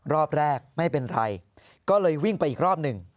รอบแรกไม่เป็นไรก็เลยวิ่งไปอีกรอบหนึ่ง